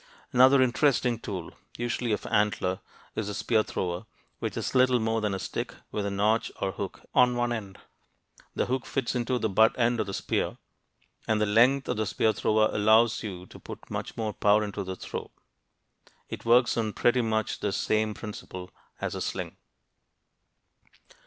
Another interesting tool, usually of antler, is the spear thrower, which is little more than a stick with a notch or hook on one end. The hook fits into the butt end of the spear, and the length of the spear thrower allows you to put much more power into the throw (p. 82). It works on pretty much the same principle as the sling.